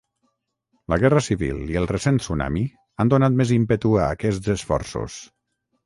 La guerra civil i el recent tsunami han donat més ímpetu a aquests esforços.